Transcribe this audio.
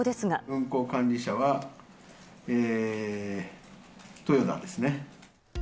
運航管理者は、えー、豊田ですね。